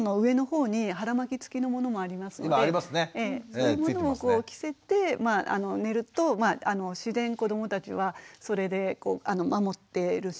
そういうものを着せてまあ寝ると自然に子どもたちはそれで守ってるし。